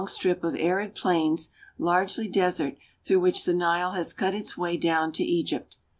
strip of arid plains, largely desert, through which the Nile I has cut its way down to Egypt.